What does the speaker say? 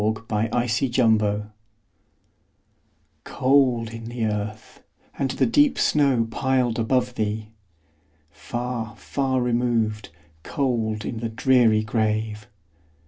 Emily Brontë Remembrance COLD in the earth, and the deep snow piled above thee! Far, far removed, cold in the dreary grave!